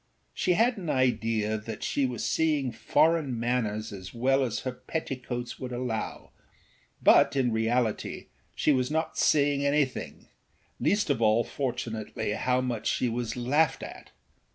She had an idea that she was seeing foreign manners as well as her petticoats would allow; but, in reality she was not seeing anything, least of all fortunately how much she was laughed at.